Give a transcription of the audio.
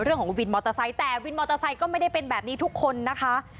วินมอเตอร์ไซค์แต่วินมอเตอร์ไซค์ก็ไม่ได้เป็นแบบนี้ทุกคนนะคะ